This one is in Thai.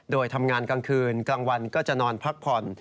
โดยทำงานกลางคืนกลางวันก็จะนอนพักผ่อน